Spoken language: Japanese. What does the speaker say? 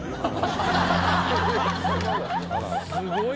すごい。